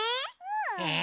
え！